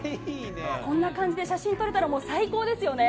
こんな感じで写真撮れたら、もう最高ですよね。